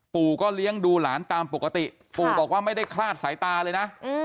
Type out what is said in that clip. ปู่ก็เลี้ยงดูหลานตามปกติปู่บอกว่าไม่ได้คลาดสายตาเลยนะ